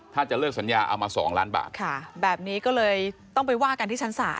ถ้าจะเลิกสัญญาเอามา๒ล้านบาทค่ะแบบนี้ก็เลยต้องไปว่ากันที่ชั้น๓